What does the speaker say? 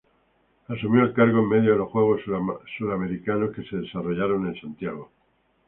Asumió el cargo en medio de los Juegos Suramericanos que se desarrollaron en Santiago.